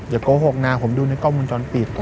อย่าโกหกนะผมดูในกล้องมือจรปิด